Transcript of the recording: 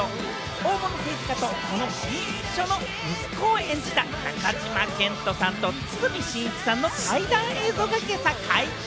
大物政治家とその議員秘書の息子を演じた中島健人さんと堤真一さんの対談映像が今朝解禁。